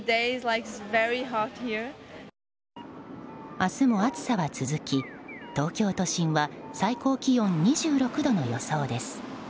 明日も暑さは続き、東京都心は最高気温２６度の予想です。